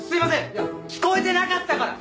いや聞こえてなかったから！